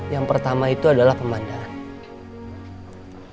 yang pertama itu adalah pemandangan